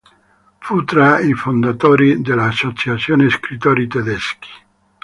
Fu tra i fondatori dell'associazione scrittori tedeschi.